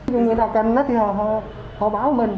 những người đặt cành nó thì họ báo mình